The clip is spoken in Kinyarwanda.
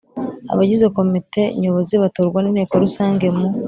Abagize Komite Nyobozi batorwa n Inteko Rusange mu